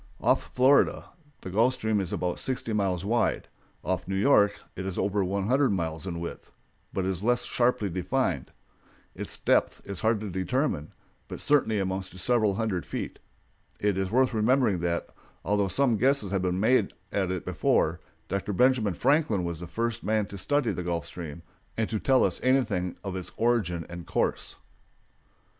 Off Florida the Gulf Stream is about sixty miles wide; off New York it is over one hundred miles in width, but is less sharply defined. Its depth is hard to determine, but certainly amounts to several hundred feet. It is worth remembering that, although some guesses had been made at it before, Dr. Benjamin Franklin was the first man to study the Gulf Stream and to tell us anything of its origin and course.